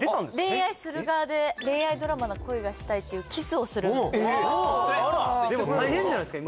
恋愛する側で「恋愛ドラマな恋がしたい」っていうキスをするでも大変じゃないですか？